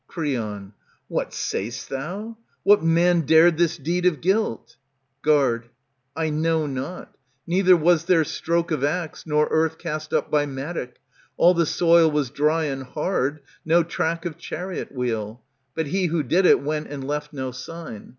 Creon, What say'st thou ? What man dared this deed of guilt ? Guard. I know not. Neither was there stroke of axe, Nor earth cast up by mattock. All the soil ^^^ Was dry and hard, no track of chariot wheel ; But he who did it went and left no sign.